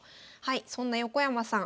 そんな横山さん